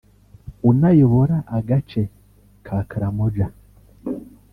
unayobora agace ka Karamoja